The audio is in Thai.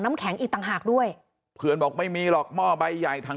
น้ำแข็งอีกต่างหากด้วยเพื่อนบอกไม่มีหรอกหม้อใบใหญ่ทาง